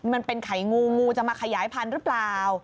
มันเป็นไข่งูงูจะมาขยายพันธุ์หรือเปล่า